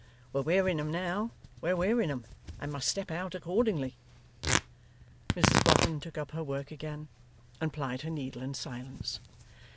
We're wearing 'em now, we're wearing 'em, and must step out accordingly.' Mrs Boffin took up her work again, and plied her needle in silence.